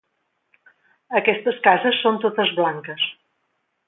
Aquestes cases són totes blanques.